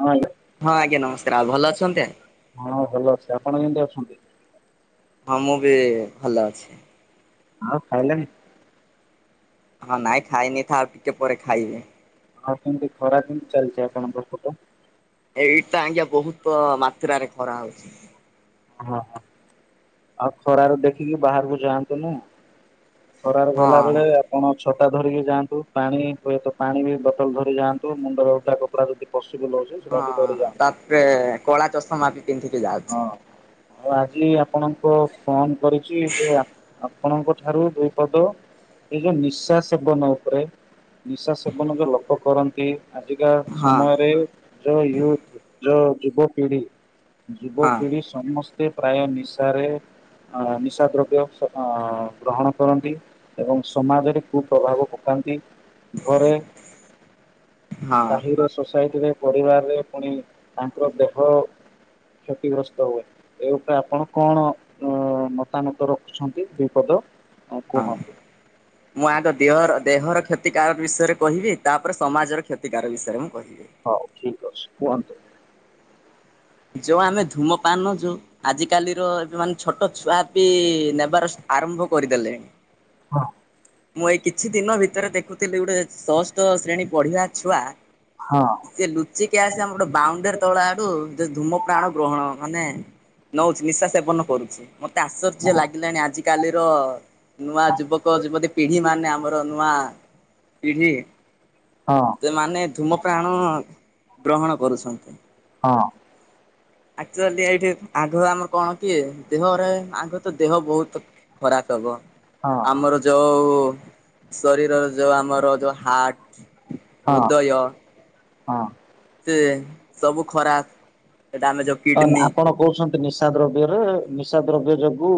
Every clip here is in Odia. ହଁ ହଁ ଆଜ୍ଞା ନମସ୍କାର ଆଉ ଭଲ ଅଛନ୍ତି? ହଁ ଭଲ ଅଛି ଆପଣ କେମିତି ଅଛ ଛନ୍ତି ବ-ମୁଁ ବି ଭଲଅଛି। ଆଉ ଖାଇଲଣିି? ହଁ ନାଇଁ ଖାଇନି ଥା ଆଉ ଟିକେପରେ ଖାଇବି। ଆଉ କେମତି ଖରା କେମତି ଚାଲଚି ଆପଣଙ୍କ ପଟେ? ଏଇଠ୍ ଆଜ୍ଞା ବୋହୁତ ମାତ୍ରାରେ ଖରା ହୋଉଚି। ହଁ ହଁ ଆଉ ଖରାରେ ଦେଖିକି ବାହାରକୁ ଯାଆନ୍ତୁନି। ଖରାରେ ହଁ ଗଲାବେଳେ ଆପଣ ଛ ଛତା ଧରିକି ଯାଆନ୍ତୁ ପାଣି ହୁଏତ ପାଣି ବି ବୋଟଲ ଧରିକି ଯାଆନ୍ତୁ ମୁଣ୍ଡରେ ଓଦା କପଡ଼ା ଯଦି ପସ୍ ହଁ ତାପରେ କଳା ଚଷମା ବିି ପିନ୍ଧିକି ଯାଉଛି। ହଁ। ଆଉ ଆଜି ଆପଣଙ୍କୁ ଫୋନ କରିଚି ଯେ ଆପ-ଆପଣଙ୍କ ଠାରୁ ଦୁଇ ପଦ ଏଇ ଯୋଉ ନିଶା ସେବନ ଉପରେ ନିଶା ସେବନ ଯୋଉ ଲୋକ କରନ୍ତି। ଆଜିକା ହଁ ସମୟରେ ଯୋଉ ୟୁଥ ଯୋଉ ଯୁବପିଢି ହଁ। ଯୁବପିଢି ସମସ୍ତେ ପ୍ରାୟ ନିଶାରେ ଅ ନିଶା ଦ୍ରବ୍ୟ ସ-ଅ-ଗ୍ରହଣ କରନ୍ତି ଏବଂ ସମାଜରେ କୁପ୍ରଭାବ ପକା ନ୍ତି ଘରେ, ହଁ ସାହିର, ସୋସାଇଟିରେ ପରିବାରରେ ପୁଣି ତାଙ୍କର ଦେହ କ୍ଷତିଗ୍ରସ୍ତ ହୁଏ, ଏ ଉପରେ ଆପଣ କଣ ଅ-ମତାମତ ରଖୁଛନ୍ତି ଦୁଇପଦ ଆଉ ହଁ। କୁହନ୍ତୁ? ମୁଁ ଆଗ ଦିହର-ଦେହର କ୍ଷତିକାରକ୍ ବିଷୟରେ କହିବି ତାପରେ ସମାଜର କ୍ଷତିକାର ବିଷୟରେ ମୁଁ କହିବି। ହୋଉ ଠିକ ଅଛି କୁହନ୍ତୁ? ଯୋଉ ଆମେ ଧୂମ ପାନ ଯୋଉ ଆଜିକାଲିର ଏବେ ମାନେ ଛୋଟ ଛୁଆ ବି ନେବାର ଆରମ୍ଭ କରିଦେଲେଣି। ହଁ। ମୁଁ ଏଇ କିଛି ଦିନ ଭିତରେ ଦେଖୁଥିଲି ଗୋଟେ ଷଷ୍ଠ ଶ୍ରେଣୀ ପଢିବା ଛୁଆ ହଁ। ସେ ଲୁଚିକି ଆସି ଆମର ଗୋଟେ ବାଉଣ୍ଡରୀ ତଳଆଡୁ ଯେ ଧୂମପ୍ରାଣ ଗ୍ରହଣ ମାନେ ନୋଉଚି ନିଶା ସେବନ କରୁଚି ମତେ ଆଶ୍ଚର୍ଯ୍ୟ ହଁ ଲାଗିଲାଣି ଆଜିିକାଲି ତ ନୂଆ ଯୁବକ ଯୁବତୀ ପିଢି ମାନେ ଆମର ନୂଆ ପିଢି ହଁ ସେମାନେ ଧୂମ ପ୍ରାଣ ଗ୍ରହଣ କରୁଛନ୍ତି। ହଁ। ଆକ୍ଚ୍ୟାଲି ଏଇଠି ଆଗ ଆମର କଣ କି ଦେହରେ ଆଗ ତ ଦେହ ବହୁତ ଖରାପ୍ ହବ। ଆମର ଯୋଉ ଶରୀରର ଯୋଉ ଆମର ଯୋଉ ହାର୍ଟ ହଁ ହୃଦୟ। ହଁ। ସେ ସବୁ ଖରାପ। ସେଟା ଆମେ ଯୋଉ ତ କିଡନୀ ଆପଣ କହୁଛନ୍ତି ନିଶା ଦ୍ରବ୍ୟରେ ନିଶା। ଦ୍ରବ୍ୟ ଯୋଗୁ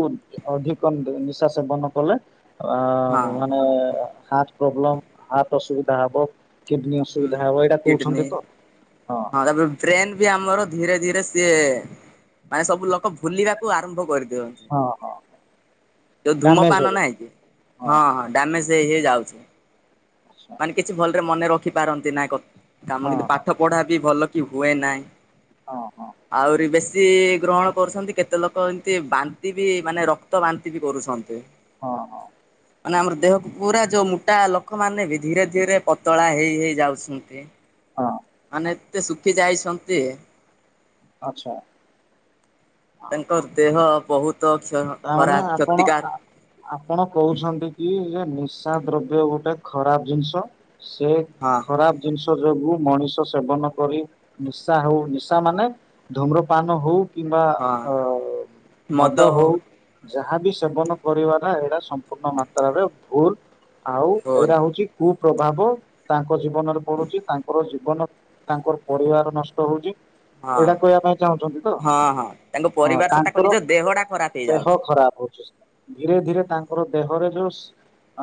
ଅଧିକ ନିଶା ସେବନ କଲେ। ଆଁ ହଁ ମାନେ ହାର୍ଟ ପ୍ରୋବ୍ଲେମ ହାର୍ଟ ଅସୁବିଧା ହେବ। ହୁଁ କିଡିନୀ ହଁ ତାପରେ ବ୍ରେନ ବି ଆମର ଧୀରେ ଧୀରେ ସିଏ ମାନେ ସବୁ ଲୋକ ଭୁଲିବାକୁ ଆରମ୍ଭ କରିଦିଅନ୍ତି। ହଁ ହଁ ଯୋଉ ଡ୍ୟାମେଜ ଧୂମପାନ ନାହିଁ କି ହଁ ହଁ ଡ୍ୟାମେଜ୍ ହେଇ ହେଇ ଯାଉଛି। ଆଛା ମାନେ କିଛି ଭଲରେ ମନେ ରଖିପାରନ୍ତି ନା କ କାମ ହଁ କିନ୍ତୁ ହଁ ପାଠ ପଢା ବି ଭଲ କି ହୁଏ ନା। ହଁ ହଁ ଆହୁରି ବେଶୀ ଗ୍ରହଣ କରୁଛନ୍ତି। କେତେ ଲୋକ ଏମିତି ବାନ୍ତି ବି ମାନେ ରକ୍ତ ବାନ୍ତି ବି କରୁଛନ୍ତି। ହଁ ହଁ। ମାନେ ଆମର ଦେହ ପୁରା ଯୋଉ ମୁଟା ଲୋକ ମାନେ ବି ଧୀରେ ଧୀରେ ପତଳା ହେଇ ହେଇ ଯାଉଛନ୍ତି। ହଁ ମାନେ ଏତେ ଶୁକି ଯାଇଛନ୍ତି। ଆଚ୍ଛା। ତାଙ୍କ ଦେହ ବୋହୁତ କ୍ଷ ତାମାନେ ଖରାପ ଆପଣ କ୍ଷତିକାର ଆପଣ କହୁଛନ୍ତି କି ଯେ ନିଶା ଦ୍ରବ୍ୟ ଗୋଟେ ଖରାପ ଜିନିଷ ସେ ହଁ ଖରାପ ଜିନିଷ ଯୋଗୁ। ମଣିଷ ସେବନ କରି ନିଶା ହୋଉ ନିଶା ମାନେ ଧୂମ୍ରପାନ ହୋଉ କିମ୍ବା ହଁ ଅଁ ମଦ ହୋଉ। ଯାହାବି ସେବନ କରିବା ନା ଏରା ସମ୍ପୂର୍ଣ୍ଣ ମାତ୍ରାରେ ଭୁଲ। ଆଉ ଗୋଲ ଏଇରା ହୋଉଛି କୁ ପ୍ରଭାବ ତାଙ୍କ ଜୀବନରେ ପଡ଼ୁଚି ତାଙ୍କର ଜୀବନ ତାଙ୍କର ପରିବାର ନଷ୍ଟ ହୋଉଚି। ହଁ ଏଇଟା କହିବା ପାଇଁ ଚାହୁଁଛନ୍ତି ତ। ହଁ ହଁ ତାଙ୍କ ହଁ ପରିବାର ସହ ତାଙ୍କ ତାଙ୍କର ନିଜ ଦେହଟା ଖରାପ ଦେହ ହେଇଯାଉଛି। ଖରାପ ହୋଉଛି ଧୀରେ ଧୀରେ ତାଙ୍କର ଦେହରେ ଯୋଉ ସ୍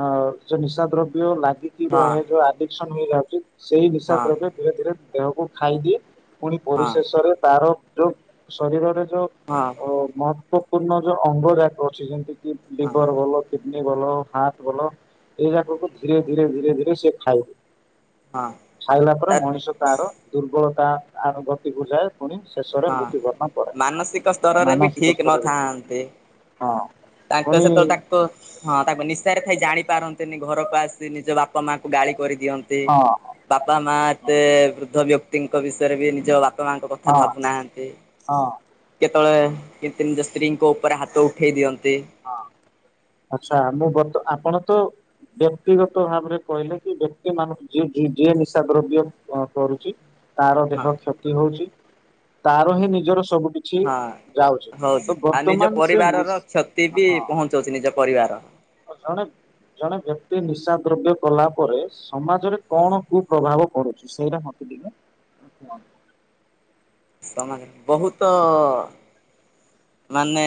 ଅଁ ଯୋଉ ନିଶା ଦ୍ରବ୍ୟ ଲାଗିକି ହଁ ରହେ ଯୋଉ ଆଡିକ୍ସନ୍ ହୋଇଯା ସେଇ ନିଶା ହଁ ଦ୍ରବ୍ୟ ଧୀରେ ଧୀରେ ଦେହକୁ ଖାଇଦିଏ ପୁଣି ହଁ ପରିଶେଷରେ ତାର ଯୋଉ ଶରୀରରେ ଯୋଉ ହଁ ଅଁ ମହତ୍ୱପୂର୍ଣ୍ଣ ଯୋଉ ଅଙ୍ଗ ଗୁରାକ ଅଛି ଯେମିତିକି କି ହଁ ଲିଭର୍ ଭଲ କି ନି ଭଲ ହାର୍ଟ ଭଲ ଏଇରା ଙ୍କକୁ ଧୀରେ ଧୀରେ ଧୀରେ ଧୀରେ ସିଏ ଖାଇବ ହଁ ଖାଇଲା ପରେ ତା ମଣିଷ ତାର ଦୁର୍ବଳତା ଆର ଗତି କୁ ଯାଏ ପୁଣି ଶେଷରେ ହଁ। ମୃତ୍ୟୁବରଣ କରେ। ମାନସିକ ସ୍ତରରେ ବି ମାନସିକ ଠିକ୍ ସ୍ତରରେ ନଥାନ୍ତି। ହଁ ତାଙ୍କ ପୁଣି ସହିତ ତାଙ୍କ ହଁ ତାପରେ ନିଶାରେ ଥାଇ ଜାଣି ପାରନ୍ତିନି ଘରକୁ ଆସି ନିଜ ବାପ ମା ଗାଳି କରିଦିଅନ୍ତି ହଁ ବାବା ମାଆ ହଁ ଏତେ ବୃଦ୍ଧ ବ୍ୟକ୍ତି ଙ୍କ ବିଷୟରେ ବି ନିଜ ବାପା ମାଆ ଙ୍କ କଥା ଭାବୁନାହାନ୍ତି। ହଁ କେତୋବେଳେ କେନ୍ତି ନିଜ ସ୍ତ୍ରୀଙ୍କ ଉପରେ ହାତ ଉଠେଇ ଦିଅ ହଁ। ବ୍ୟକ୍ତିଗତ ଭାବରେ କହିଲେ କି ବ୍ୟକ୍ତି ମାନଙ୍କୁ ଯିଏ ଯିଏ ଯିଏ ନିଶା ଦ୍ରବ୍ୟ ଅଁ କରୁଚି। ତାର ଦେହ ହଁ କ୍ଷତି ହୋଉଛି ତାର ହିଁ ନିଜର ସବୁ କିଛି ହଁ। ଯାଉଛି ହଉଛି ତ ଆଉ ନିଜ ବର୍ତ୍ତମାନ ସେ ନି ପରିବାରର କ୍ଷତି ବି ପହଞ୍ଚଉଛି ନିଜ ପରିବାର। ଜଣେ ଜଣେ ବ୍ୟକ୍ତି ନିଶା ଦ୍ରବ୍ୟ କଲା ପରେ ସମାଜରେ କଣ କୁ ପ୍ରଭାବ ପଡୁଛି ସେଇଟା [inaudible] ସମାନେ ବହୁତ ମାନେ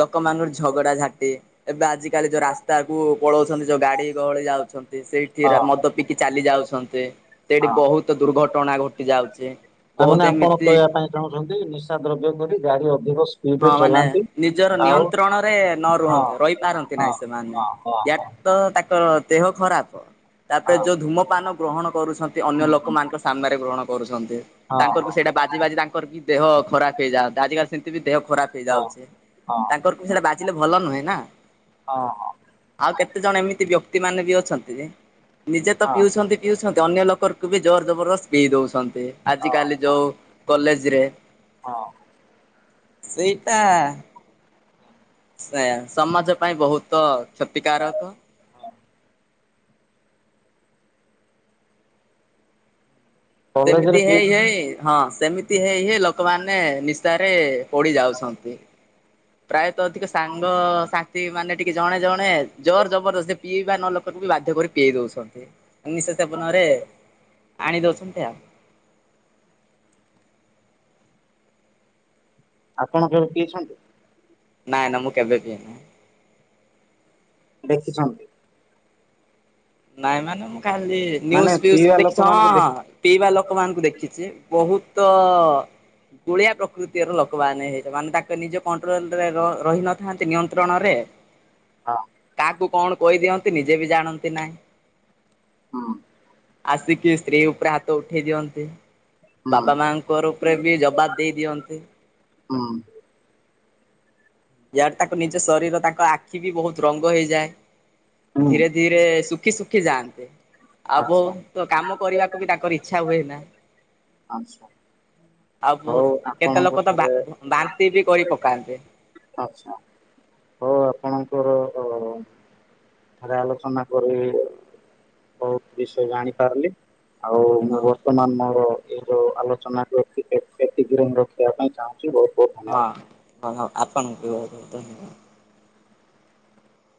ଲୋକମାନଙ୍କର ଝଗଡା ଝାଟି, ଏବେ ଆଜିକାଲି ଯୋଉ ରାସ୍ତା କ ପଳଉଛନ୍ତି, ଯୋଉ ଗାଡି ଗହଳି ଯାଉଛନ୍ତି ସେଇଠି ମଦ ହଁ ପିିକି ଚାଲି ଯାଉଛନ୍ତି। ସେଠି ହଁ ବହୁତ ଦୁର୍ଘଟଣା ଘଟି ଯାଉଛି। ତା ବହୁତ ମାନେ ଆପଣ ଏମିତି କହିବା ପାଇଁ ଚାହୁଁଛନ୍ତି ନିଶା ଦ୍ରବ୍ୟ କରି ଗାଡି ଅଧିକ ହଁ ସ୍ପିଡରେ ମାନେ ଚଲାନ୍ତି। ନିଜର ଆଉ ନିୟନ୍ତ୍ରଣରେ ନ ହଁ ରୁହନ୍ତି ରହିପାରନ୍ତି ହଁ ନାହିଁ ସେମାନେ। ହଁ ହଁ ହଁ [unintelligible] ତ ତାଙ୍କ ଦେହ ଖରାପ। ତାପରେ ହଁ ଯୋଉ ଧୂମପାନ ଗ୍ରହଣ କରୁଛନ୍ତି ଅନ୍ୟ ହୁଁ ହୁଁ ଲୋକମାନଙ୍କ ସାମ୍ନାରେ ଗ୍ରହଣ କରୁଛନ୍ତି। ହଁ ତାଙ୍କର ତ ହଁ ସେଇଟା ବାଜି ବାଜି ତାଙ୍କର କି ଦେହ ଖରାପ ହେଇଯାନ୍ତା। ଆଜିକାଲି ସେମିତି ଦେହ ଖରାପ ହଁ ହେଇଯାଉଛି। ହଁ ହଁ ତାଙ୍କର ବି ସେଟା ବାଜିଲେ ଭଲ ନୁହେଁ ନା। ହଁ ଆଉ କେତେ ଜଣ ଏମିତି ବ୍ୟକ୍ତି ମାନେ ବି ଅଛନ୍ତି ଯେ ନିଜେ ତ ହଁ ପିଉଛନ୍ତି ପିଉଛନ୍ତି ଅନ୍ୟ ଲୋକଙ୍କୁ ବି ଜୋର ଜବରଦସ୍ତ ପେଇ ଦଉଛନ୍ତି। ଆଜିକାଲି ହଁ ଯୋଉ କଲେଜରେ ହଁ। ସେଇଟା ଏ ସମାଜ ପାଇଁ ବହୁତ କ୍ଷତିକାରକ। କଲେଜରେ ସେମିତି ପିଇ ହେଇ ହେଇ ହଁ ସେମିତି ହେଇ ହେଇ ଲୋକମାନେ ନିଶାରେ ପଡ଼ିଯାଉଛନ୍ତି। ପ୍ରାୟତଃ ଅଧିକ ସାଙ୍ଗ ସାଥି ମାନେ ଟିକେ ଜଣେ ଜଣେ ଜୋର ଜବରସ୍ତ ପିଇବା ନଲୋକ ବାଧ୍ୟ କରି ପିଏଇ ଦଉଛନ୍ତି। ନିଶା ସେବନରେ ଆଣି ଦେଉଛନ୍ତି ଆଉ। [inaudible] ଆପଣ କେବେ ପିଇଛନ୍ତି? ନାଇଁ ନା ମୁଁ କେବେ ପିଏନା। ଦେଖିଛନ୍ତି। ନାଇଁ ମାନେ ମୁଁ ଖାଲି ନ୍ୟୁଜ ମାନେ ଫିଉଜରେ ପିଇବା ଦେଖିଛି। ଲୋକମାନଙ୍କୁ ଦେଖି ହଁ ପିଇବା ଲୋକମାନଙ୍କୁ ଦେଖିଛି। ବହୁତ ଗୁଳିଆ ପ୍ରକୃତିର ଲୋକମାନେ ହେଇ ମାନେ ତାଙ୍କ ନିଜ କଣ୍ଟ୍ରୋଲ ରେ ରହି ନଥାନ୍ତି। ନିୟନ୍ତ୍ରଣ ନ ରେ ହଁ। କୁ କଣ କହିଦିଅନ୍ତି ନିଜେ ବି ଜାଣନ୍ତି ନାହିଁ। ହଁ। ଆସିକି ସ୍ତ୍ରୀ ଉପରେ ହାତ ଉଠେଇ ଦିଅନ୍ତି। ହୁଁ ବାପା ମାଙ୍କ ଉପରେ ବି ଜବାବ ଦେଇ ଦିଅନ୍ତି। ହୁଁ ୟାର ତାଙ୍କ ନିଜ ଶରୀର ତାଙ୍କ ଆଖି ବି ବହୁତ ରଙ୍ଗ ହେଇଯାଏ। ହୁଁ ଧୀରେ ଧୀରେ ଶୁଖି ଶୁଖି ଯାଆନ୍ତେ। ଆ ଆଚ୍ଛା ବହୁତ କାମ କରିବାକୁ ବି ତାଙ୍କର ଇଚ୍ଛା ହୁଏ ନା। ଆଚ୍ଛା ଆଉ ହଉ ବହୁତ କେତେ ଆପଣଙ୍କ ଲୋକ ତ ବା ଠାରେ ବାନ୍ତି ବି କରି ପକାନ୍ତି। ହଁ ଆପଣଙ୍କର। [unintelligible] ରେ ଆଲୋଚନା କରି ବହୁତ ବିଷୟ ଜାଣି ପାରିଲି। ଆଉ ମୁଁ ହଁ ବର୍ତ୍ତମାନ ମୋର ଏଇ ଯୋଉ ଆଲୋଚନା କୁ ଏତିକି ଏତିକିରେ ମୁଁ ରଖିବା ପାଇଁ ଚାହୁଁଛି। ବହୁତ ବହୁତ ଧନ୍ୟବାଦ। ହଁ ଆପଣ ଙ୍କୁ ବହୁତ୍ ବହୁତ୍ ଧନ୍ୟବାଦ।